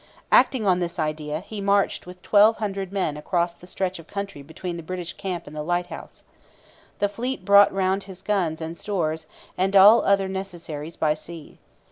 Acting on this idea, he marched with twelve hundred men across the stretch of country between the British camp and the lighthouse. The fleet brought round his guns and stores and all other necessaries by sea.